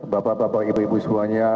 bapak bapak ibu ibu semuanya